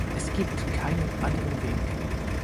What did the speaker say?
Es gibt keinen anderen Weg.